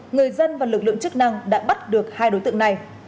người dân và lực lượng chức năng đã bắt được hai đối tượng này